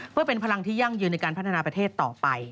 เพื่อเป็นพลังที่ยั่งยืนในการพัฒนาประเทศต่อไป